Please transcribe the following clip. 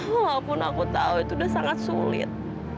walaupun aku tahu itu sudah sangat sulit